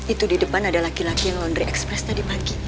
itu di depan ada laki laki yang laundry express tadi pagi